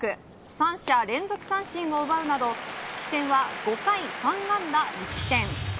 ３者連続三振を奪うなど復帰戦は５回３安打２失点。